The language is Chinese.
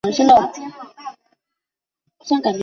刺绣芋螺为芋螺科芋螺属下的一个种。